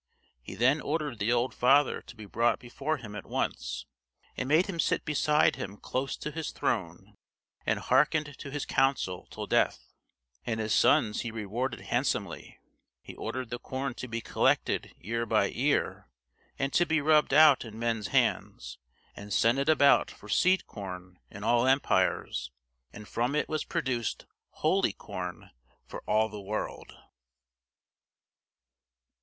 He then ordered the old father to be brought before him at once, and made him sit beside him close to his throne, and hearkened to his counsel till death, and his sons he rewarded handsomely. He ordered the corn to be collected ear by ear, and to be rubbed out in men's hands; and sent it about for seed corn in all empires, and from it was produced holy corn for all the world.